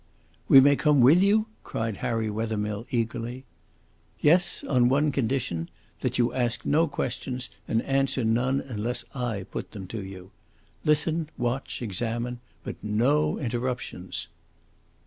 "We may come with you?" cried Harry Wethermill eagerly. "Yes, on one condition that you ask no questions, and answer none unless I put them to you. Listen, watch, examine but no interruptions!"